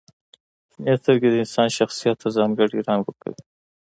• شنې سترګې د انسان شخصیت ته ځانګړې رنګ ورکوي.